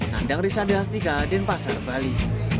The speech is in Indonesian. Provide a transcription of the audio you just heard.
nandang risada astika dan pasar bali